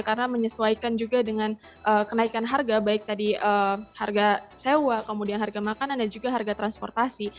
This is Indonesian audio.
karena menyesuaikan juga dengan kenaikan harga baik tadi harga sewa kemudian harga makanan dan juga harga transportasi